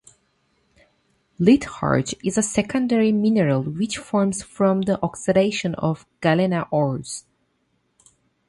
Litharge is a secondary mineral which forms from the oxidation of galena ores.